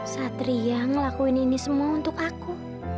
satria ngelakuin ini semua untuk aku